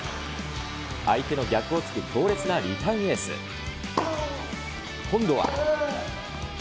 相手の逆をつく強烈なリターンエース。今度は。